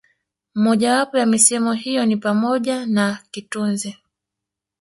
Moja wapo ya misemo hiyo ni pamoja na kitunze